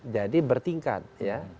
jadi bertingkat ya